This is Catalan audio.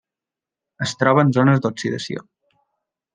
Es troba en zones d'oxidació.